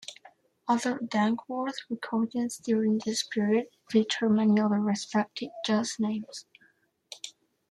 Other Dankworth recordings during this period featured many other respected jazz names.